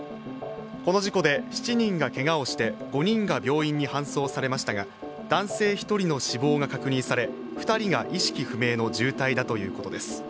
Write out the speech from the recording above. この事故で７人がけがをして５人が病院に搬送されましたが男性１人の死亡が確認され２人が意識不明の重体だということです。